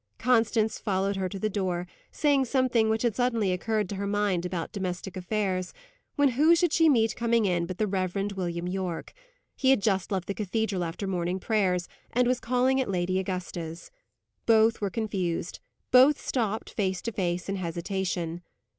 Constance followed her to the door, saying something which had suddenly occurred to her mind about domestic affairs, when who should she meet, coming in, but the Rev. William Yorke! He had just left the Cathedral after morning prayers, and was calling at Lady Augusta's. Both were confused; both stopped, face to face, in hesitation.